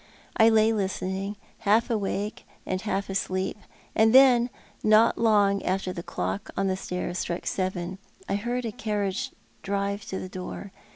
I lay listening, half awake and half asleep, and then not long after the clock on the stairs struck seven I heard «, carriage drive to the door.